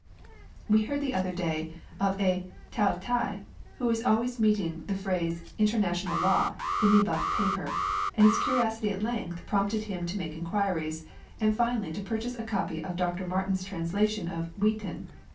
We heard the other day of a Tao t'ai who was always meeting the phrase "International Law" in the above paper, and his curiosity at length prompted him to make inquiries, and finally to purchase a copy of Dr Martin's translation of " Wheaton."